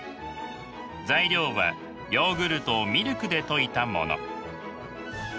材料はヨーグルトをミルクで溶いたもの。